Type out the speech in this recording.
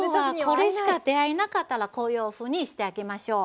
今日はこれしか出会えなかったらこういうふうにしてあげましょう。